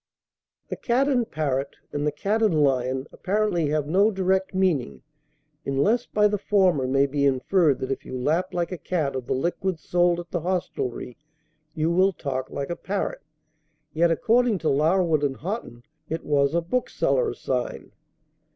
"The Cat and Parrot" and "The Cat and Lion" apparently have no direct meaning, unless by the former may be inferred that if you lap like a cat of the liquids sold at the hostelry, you will talk like a parrot; yet, according to Larwood and Hotten, it was a bookseller's sign.